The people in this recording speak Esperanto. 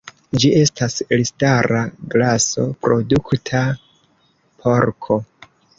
Ĝi estas elstara graso-produkta porko.